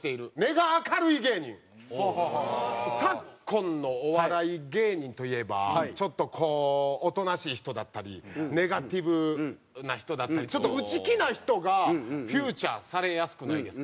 昨今のお笑い芸人といえばちょっとこうおとなしい人だったりネガティブな人だったりちょっと内気な人がフィーチャーされやすくないですか？